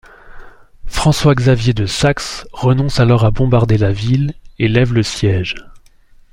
François-Xavier de Saxe renonce alors à bombarder la ville et lève le siège.